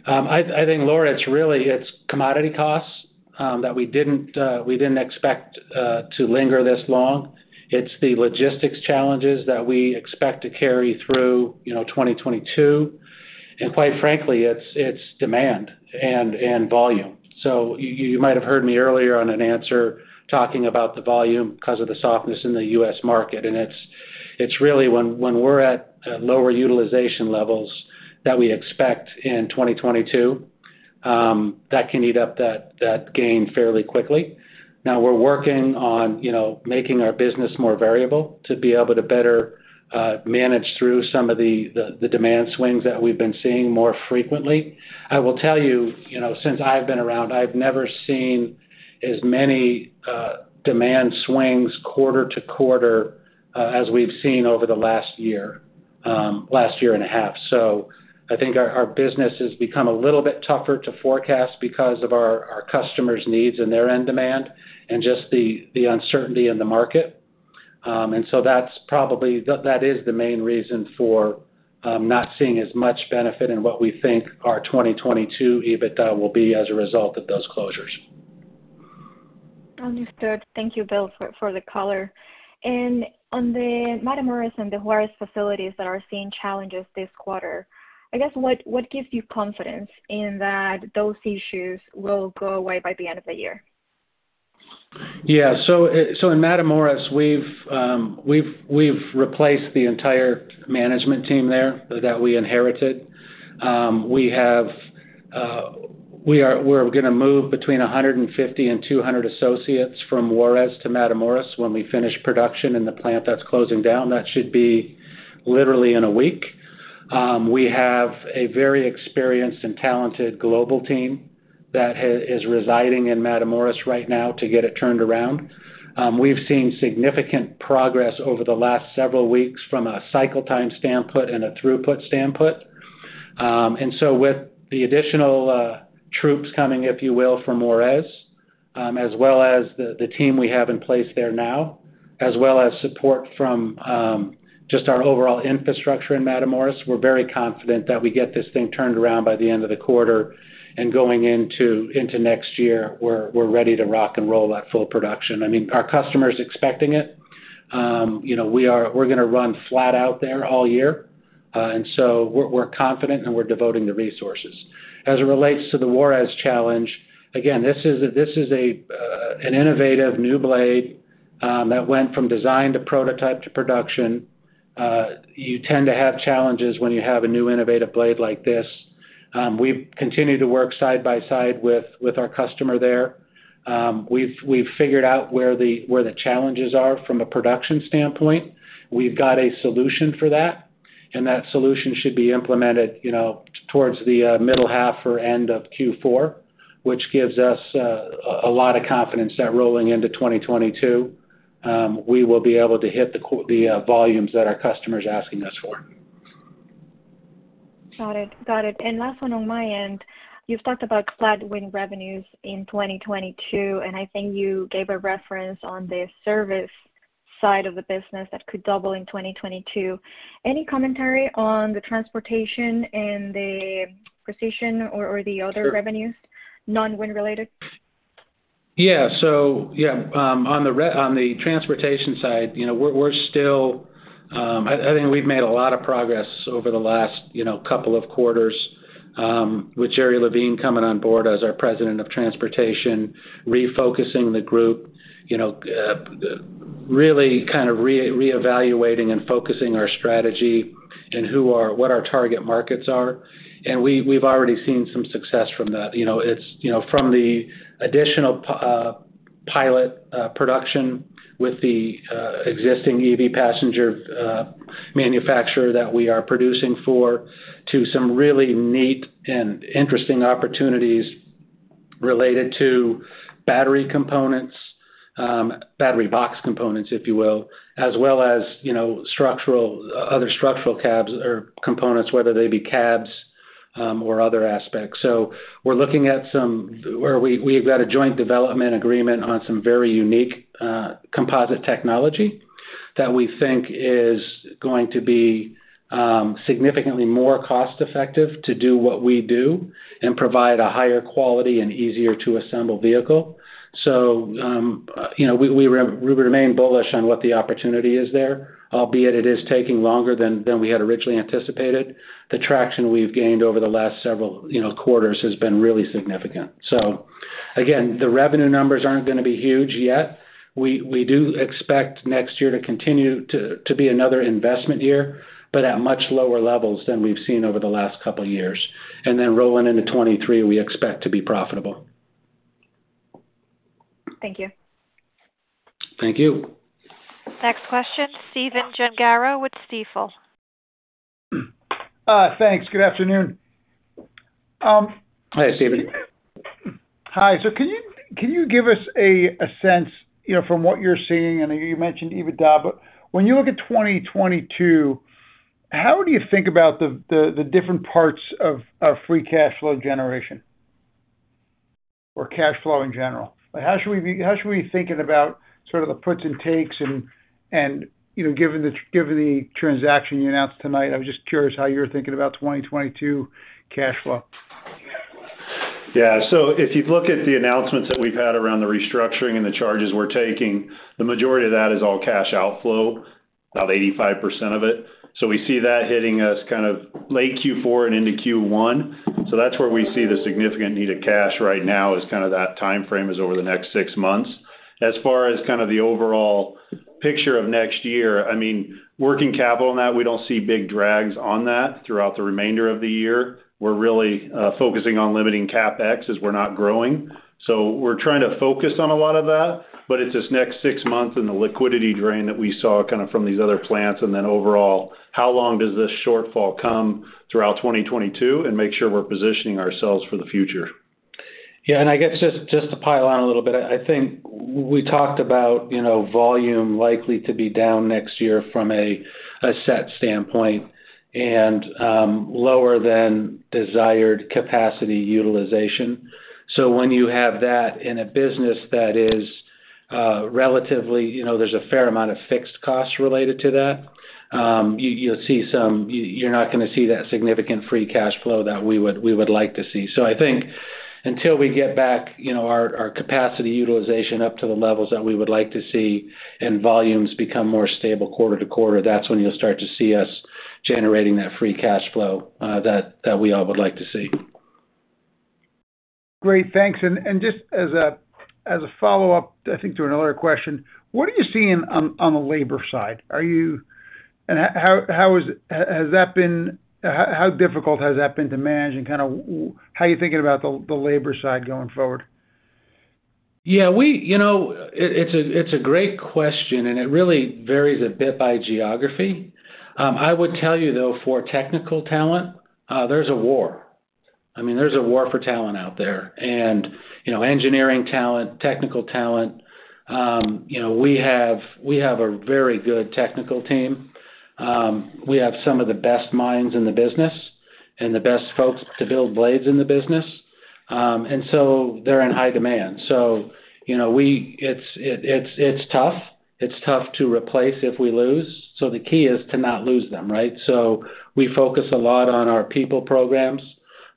I think, Laura, it's really commodity costs that we didn't expect to linger this long. It's the logistics challenges that we expect to carry through, you know, 2022. Quite frankly, it's demand and volume. You might have heard me earlier on an answer talking about the volume because of the softness in the U.S. market. It's really when we're at lower utilization levels that we expect in 2022, that can eat up that gain fairly quickly. Now we're working on, you know, making our business more variable to be able to better manage through some of the demand swings that we've been seeing more frequently. I will tell you know, since I've been around, I've never seen as many demand swings quarter-to-quarter as we've seen over the last year, last 1.5 year. I think our business has become a little bit tougher to forecast because of our customers' needs and their end demand and just the uncertainty in the market. That is the main reason for not seeing as much benefit in what we think our 2022 EBITDA will be as a result of those closures. Understood. Thank you, Bill, for the color. On the Matamoros and the Juarez facilities that are seeing challenges this quarter, I guess, what gives you confidence in that those issues will go away by the end of the year? In Matamoros, we've replaced the entire management team there that we inherited. We're gonna move between 150 and 200 associates from Juarez to Matamoros when we finish production in the plant that's closing down. That should be literally in a week. We have a very experienced and talented global team that is residing in Matamoros right now to get it turned around. We've seen significant progress over the last several weeks from a cycle time standpoint and a throughput standpoint. With the additional troops coming, if you will, from Juarez, as well as the team we have in place there now, as well as support from just our overall infrastructure in Matamoros, we're very confident that we get this thing turned around by the end of the quarter. Going into next year, we're ready to rock and roll at full production. I mean, our customer is expecting it. You know, we're gonna run flat out there all year. We're confident, and we're devoting the resources. As it relates to the Juarez challenge, again, this is an innovative new blade that went from design to prototype to production. You tend to have challenges when you have a new innovative blade like this. We've continued to work side by side with our customer there. We've figured out where the challenges are from a production standpoint. We've got a solution for that, and that solution should be implemented, you know, towards the middle half or end of Q4, which gives us a lot of confidence that rolling into 2022, we will be able to hit the volumes that our customer is asking us for. Got it. Last one on my end. You've talked about flat wind revenues in 2022, and I think you gave a reference on the service side of the business that could double in 2022. Any commentary on the transportation and the precision or the other? Sure Revenues, non-wind related? Yeah. Yeah, on the transportation side, you know, we're still. I think we've made a lot of progress over the last, you know, couple of quarters, with Jerry Lavine coming on board as our President of Transportation, refocusing the group, you know, really kind of reevaluating and focusing our strategy and what our target markets are. We've already seen some success from that. You know, it's, you know, from the additional pilot production with the existing EV passenger manufacturer that we are producing for, to some really neat and interesting opportunities related to battery components, battery box components, if you will, as well as, you know, structural, other structural cabs or components, whether they be cabs or other aspects. We're looking at some where we've got a joint development agreement on some very unique composite technology that we think is going to be significantly more cost effective to do what we do and provide a higher quality and easier to assemble vehicle. You know, we remain bullish on what the opportunity is there, albeit it is taking longer than we had originally anticipated. The traction we've gained over the last several, you know, quarters has been really significant. Again, the revenue numbers aren't gonna be huge yet. We do expect next year to continue to be another investment year, but at much lower levels than we've seen over the last couple years. Rolling into 2023, we expect to be profitable. Thank you. Thank you. Next question, Stephen Gengaro with Stifel. Thanks. Good afternoon. Hey, Stephen. Hi. Can you give us a sense, you know, from what you're seeing, I know you mentioned EBITDA, but when you look at 2022, how do you think about the different parts of free cash flow generation or cash flow in general? Like, how should we be thinking about sort of the puts and takes and, you know, given the, given the transaction you announced tonight, I was just curious how you're thinking about 2022 cash flow. Yeah. If you look at the announcements that we've had around the restructuring and the charges we're taking, the majority of that is all cash outflow, about 85% of it. We see that hitting us kind of late Q4 and into Q1. That's where we see the significant need of cash right now is kind of that timeframe is over the next six months. As far as kind of the overall picture of next year, I mean, working capital and that, we don't see big drags on that throughout the remainder of the year. We're really focusing on limiting CapEx as we're not growing. We're trying to focus on a lot of that, but it's this next six months and the liquidity drain that we saw kinda from these other plants, and then overall, how long does this shortfall come throughout 2022, and make sure we're positioning ourselves for the future. Yeah. I guess just to pile on a little bit, I think we talked about, you know, volume likely to be down next year from a set standpoint and lower than desired capacity utilization. When you have that in a business that is, relatively, you know, there's a fair amount of fixed costs related to that, you'll see some, you're not gonna see that significant free cash flow that we would like to see. I think until we get back, you know, our capacity utilization up to the levels that we would like to see and volumes become more stable quarter-to-quarter, that's when you'll start to see us generating that free cash flow that we all would like to see. Great. Thanks. Just as a follow-up, I think to another question, what are you seeing on the labor side? How difficult has that been to manage and kinda how are you thinking about the labor side going forward? Yeah, you know, it's a great question. It really varies a bit by geography. I would tell you though, for technical talent, there's a war. I mean, there's a war for talent out there and, you know, engineering talent, technical talent. You know, we have a very good technical team. We have some of the best minds in the business and the best folks to build blades in the business. They're in high demand. You know, it's tough. It's tough to replace if we lose. The key is to not lose them, right? We focus a lot on our people programs,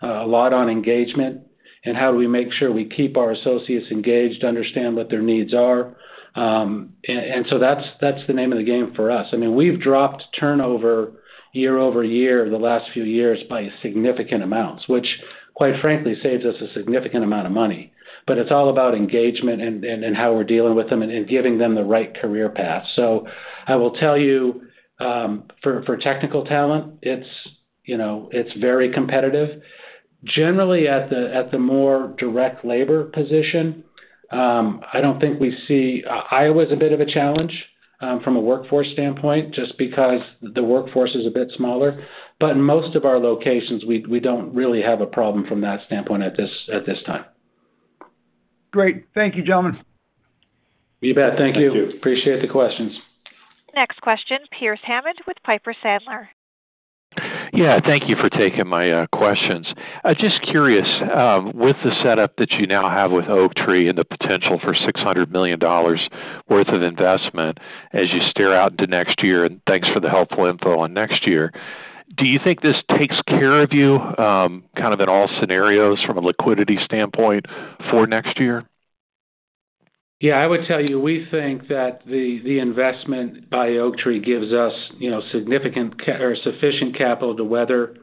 a lot on engagement and how do we make sure we keep our associates engaged, understand what their needs are. That's the name of the game for us. I mean, we've dropped turnover year-over-year the last few years by significant amounts, which quite frankly saves us a significant amount of money. It's all about engagement and how we're dealing with them and giving them the right career path. I will tell you, for technical talent, it's, you know, it's very competitive. Generally at the more direct labor position, I don't think we see Iowa is a bit of a challenge, from a workforce standpoint, just because the workforce is a bit smaller. But in most of our locations, we don't really have a problem from that standpoint at this time. Great. Thank you, gentlemen. You bet. Thank you. Thank you. Appreciate the questions. Next question, Pearce Hammond with Piper Sandler. Yeah. Thank you for taking my questions. I'm just curious, with the setup that you now have with Oaktree and the potential for $600 million worth of investment as you stare out into next year, and thanks for the helpful info on next year, do you think this takes care of you, kind of in all scenarios from a liquidity standpoint for next year? Yeah. I would tell you, we think that the investment by Oaktree gives us, you know, significant or sufficient capital to weather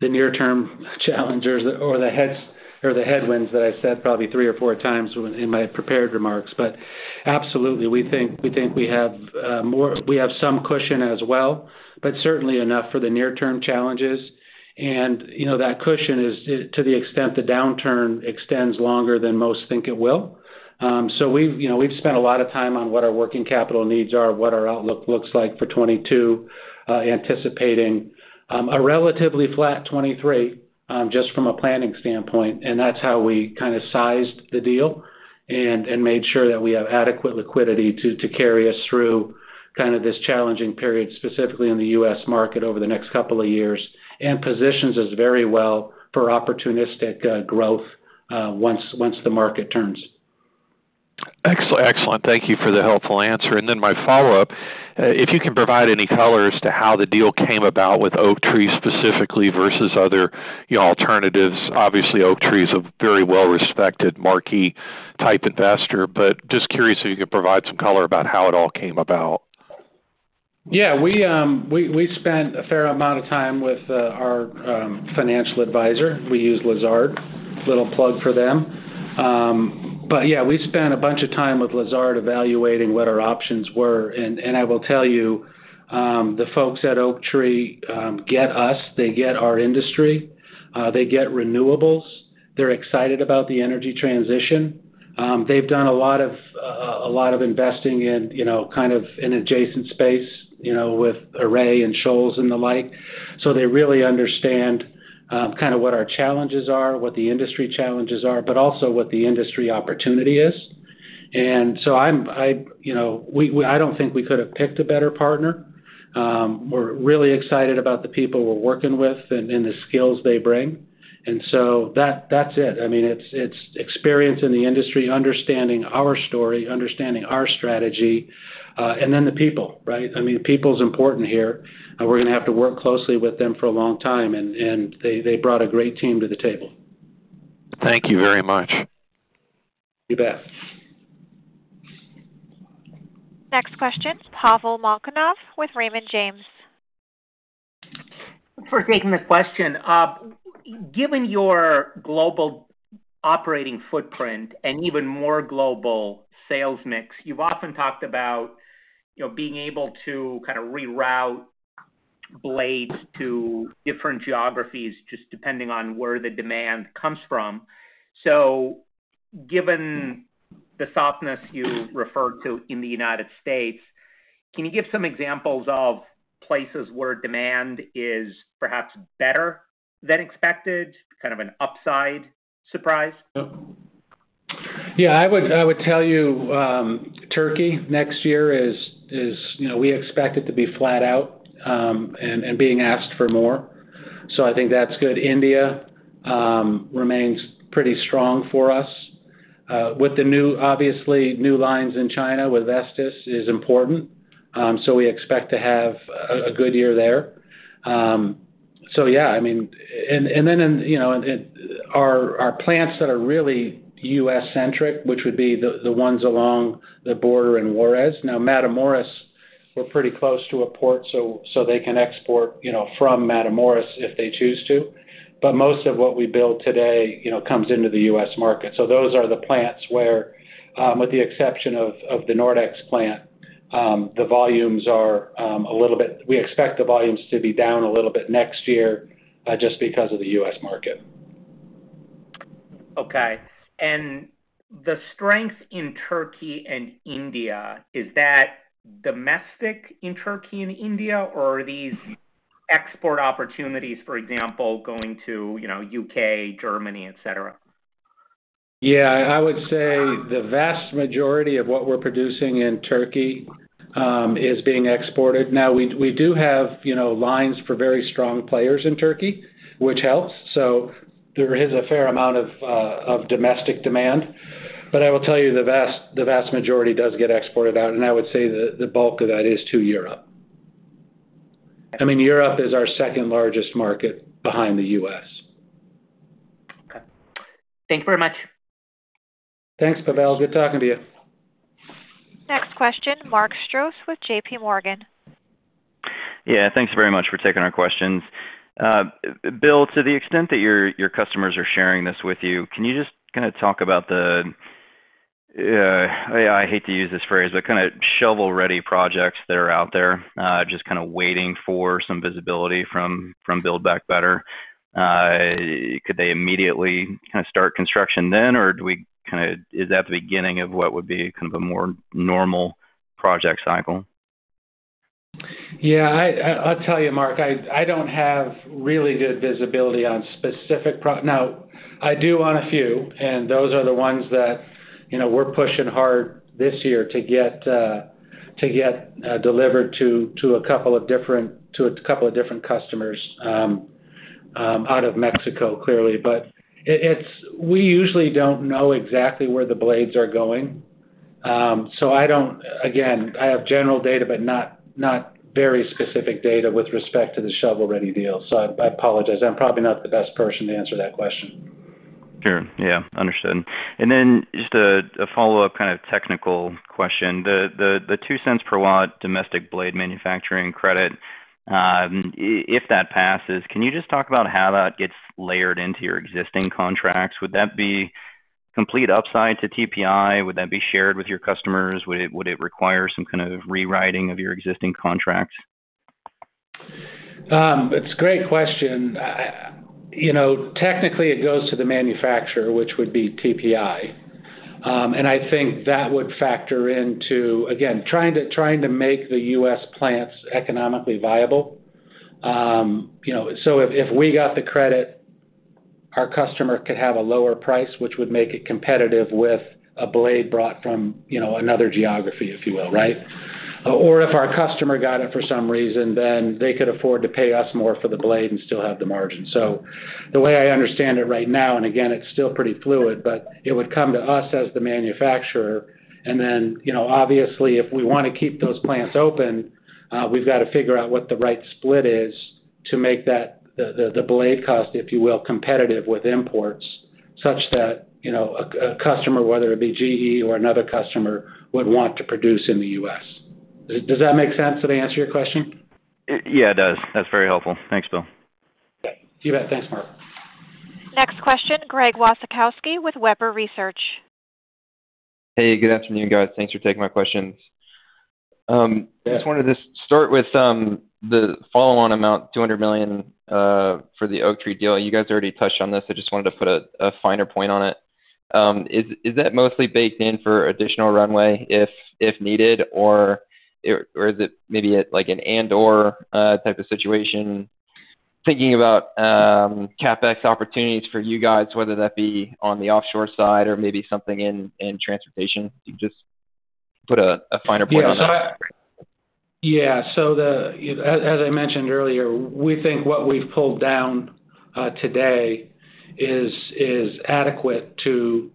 the near term challenges or the headwinds that I said probably 3x or 4x in my prepared remarks. But absolutely, we think we have some cushion as well, but certainly enough for the near term challenges. You know, that cushion is to the extent the downturn extends longer than most think it will. We've, you know, we've spent a lot of time on what our working capital needs are, what our outlook looks like for 2022, anticipating a relatively flat 2023, just from a planning standpoint, and that's how we kinda sized the deal and made sure that we have adequate liquidity to carry us through kind of this challenging period, specifically in the U.S. market over the next couple of years, and positions us very well for opportunistic growth once the market turns. Excellent. Thank you for the helpful answer. Then my follow-up, if you can provide any color as to how the deal came about with Oaktree specifically versus other, you know, alternatives. Obviously, Oaktree is a very well-respected marquee type investor, but just curious if you could provide some color about how it all came about? Yeah. We spent a fair amount of time with our financial advisor. We use Lazard. A little plug for them. Yeah, we spent a bunch of time with Lazard evaluating what our options were. I will tell you, the folks at Oaktree get us. They get our industry. They get renewables. They're excited about the energy transition. They've done a lot of a lot of investing in, you know, kind of an adjacent space, you know, with Array and Shoals and the like. They really understand kinda what our challenges are, what the industry challenges are, but also what the industry opportunity is. I'm, I, you know, we don't think we could have picked a better partner. We're really excited about the people we're working with and the skills they bring. That's it. I mean, it's experience in the industry, understanding our story, understanding our strategy, and then the people, right? I mean, people's important here. We're gonna have to work closely with them for a long time. They brought a great team to the table. Thank you very much. You bet. Next question, Pavel Molchanov with Raymond James. Thanks for taking the question. Given your global operating footprint and even more global sales mix, you've often talked about, you know, being able to kind of reroute blades to different geographies just depending on where the demand comes from. Given the softness you referred to in the United States, can you give some examples of places where demand is perhaps better than expected, kind of an upside surprise? Yeah, I would tell you, Turkey next year is, you know, we expect it to be flat out, and being asked for more. I think that's good. India remains pretty strong for us. Obviously, new lines in China with Vestas is important. We expect to have a good year there. Yeah, I mean Our plants that are really U.S.-centric, which would be the ones along the border in Juarez. Now Matamoros, we're pretty close to a port, so they can export, you know, from Matamoros if they choose to. Most of what we build today, you know, comes into the U.S. market. Those are the plants where, with the exception of the Nordex plant, We expect the volumes to be down a little bit next year, just because of the U.S. market. Okay. The strength in Turkey and India, is that domestic in Turkey and India, or are these export opportunities, for example, going to, you know, U.K., Germany, et cetera? Yeah, I would say the vast majority of what we're producing in Turkey is being exported. We do have, you know, lines for very strong players in Turkey, which helps. There is a fair amount of domestic demand. I will tell you, the vast majority does get exported out. I would say the bulk of that is to Europe. I mean, Europe is our second-largest market behind the U.S. Okay. Thank you very much. Thanks, Pavel. Good talking to you. Next question, Mark Strouse with JPMorgan. Yeah, thanks very much for taking our questions. Bill, to the extent that your customers are sharing this with you, can you just kinda talk about the, I hate to use this phrase, but kinda shovel-ready projects that are out there, just kinda waiting for some visibility from Build Back Better? Could they immediately kinda start construction then, or do we? Is that the beginning of what would be kind of a more normal project cycle? Yeah, I'll tell you, Mark, I don't have really good visibility on specific. Now I do on a few, and those are the ones that, you know, we're pushing hard this year to get delivered to a couple of different customers out of Mexico, clearly. We usually don't know exactly where the blades are going. Again, I have general data, but not very specific data with respect to the shovel-ready deal. I apologize. I'm probably not the best person to answer that question. Sure. Yeah, understood. Just a follow-up kind of technical question. The $0.02 per watt advanced manufacturing production credit, if that passes, can you just talk about how that gets layered into your existing contracts? Would that be complete upside to TPI? Would that be shared with your customers? Would it, would it require some kind of rewriting of your existing contracts? It's a great question. I, you know, technically it goes to the manufacturer, which would be TPI. I think that would factor into, again, trying to make the U.S. plants economically viable. You know, so if we got the credit, our customer could have a lower price, which would make it competitive with a blade brought from, you know, another geography, if you will, right? Or if our customer got it for some reason, then they could afford to pay us more for the blade and still have the margin. The way I understand it right now, and again, it's still pretty fluid, but it would come to us as the manufacturer. You know, obviously, if we wanna keep those plants open, we've got to figure out what the right split is to make that, the blade cost, if you will, competitive with imports, such that, you know, a customer, whether it be GE or another customer, would want to produce in the U.S. Does that make sense? Did I answer your question? Yeah, it does. That's very helpful. Thanks, Bill. Okay. You bet. Thanks, Mark. Next question, Greg Wasikowski with Webber Research. Hey, good afternoon, guys. Thanks for taking my questions. Yeah. I just wanted to start with the follow-on amount, $200 million, for the Oaktree deal. You guys already touched on this. I just wanted to put a finer point on it. Is that mostly baked in for additional runway if needed, or is it maybe a like an and/or type of situation? Thinking about CapEx opportunities for you guys, whether that be on the offshore side or maybe something in transportation. Can you just put a finer point on that? As I mentioned earlier, we think what we've pulled down today is adequate to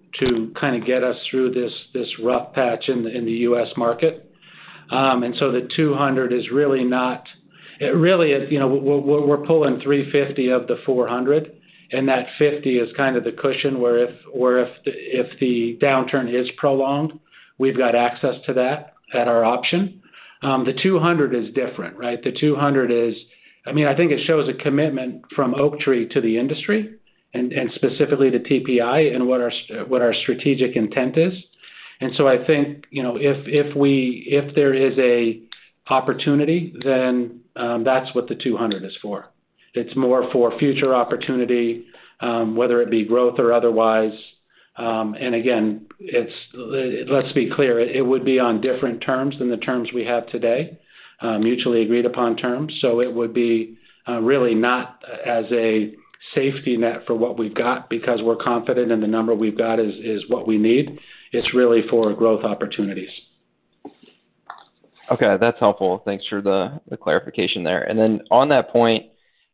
kind of get us through this rough patch in the U.S. market. The $200 is really not, you know, we're pulling $350 of the $400. That $50 is kind of the cushion where if, where if the downturn is prolonged, we've got access to that at our option. The $200 is different, right? The $200 is, I mean, I think it shows a commitment from Oaktree to the industry and specifically to TPI and what our strategic intent is. I think, you know, if there is a opportunity, then that's what the $200 is for. It's more for future opportunity, whether it be growth or otherwise. Again, it's, let's be clear, it would be on different terms than the terms we have today, mutually agreed upon terms. It would be really not as a safety net for what we've got because we're confident in the number we've got is what we need. It's really for growth opportunities. Okay. That's helpful. Thanks for the clarification there. Then on that point,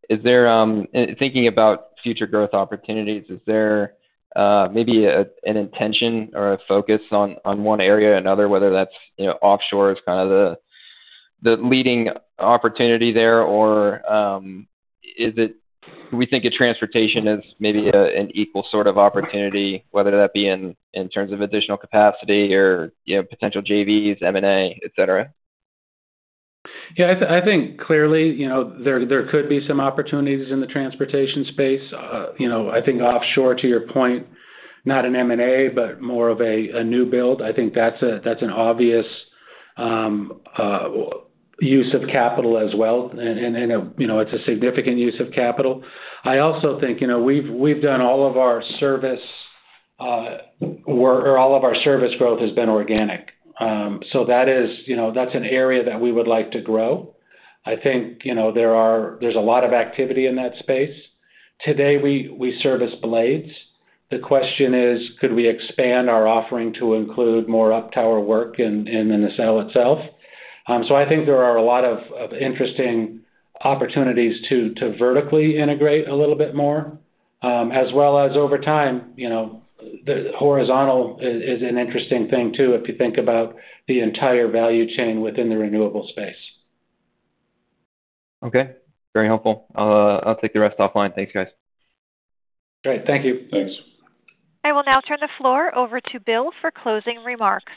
is there in thinking about future growth opportunities, is there maybe an intention or a focus on one area or another whether that's, you know, offshore is kind of the leading opportunity there? Or is it we think of transportation as maybe an equal sort of opportunity, whether that be in terms of additional capacity or, you know, potential JVs, M&A, et cetera? Yeah. I think clearly, you know, there could be some opportunities in the transportation space. You know, I think offshore to your point, not an M&A, but more of a new build. I think that's an obvious use of capital as well. You know, it's a significant use of capital. I also think, you know, we've done all of our service work or all of our service growth has been organic. That is, you know, that's an area that we would like to grow. I think, you know, there's a lot of activity in that space. Today, we service blades. The question is, could we expand our offering to include more up tower work in the nacelle itself? I think there are a lot of interesting opportunities to vertically integrate a little bit more, as well as over time, you know, the horizontal is an interesting thing too if you think about the entire value chain within the renewable space. Okay. Very helpful. I'll take the rest offline. Thanks, guys. Great. Thank you. Thanks. I will now turn the floor over to Bill for closing remarks.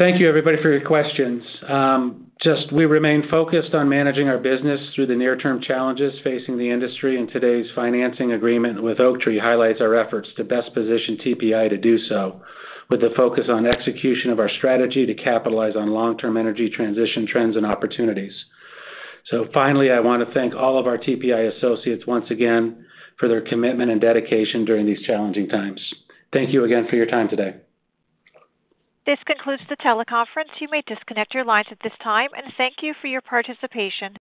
Thank you everybody for your questions. Just we remain focused on managing our business through the near-term challenges facing the industry. Today's financing agreement with Oaktree highlights our efforts to best position TPI to do so with a focus on execution of our strategy to capitalize on long-term energy transition trends and opportunities. Finally, I wanna thank all of our TPI associates once again for their commitment and dedication during these challenging times. Thank you again for your time today. This concludes the teleconference. You may disconnect your lines at this time, and thank you for your participation.